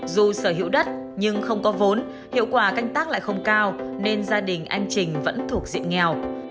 dù sở hữu đất nhưng không có vốn hiệu quả canh tác lại không cao nên gia đình anh trình vẫn thuộc diện nghèo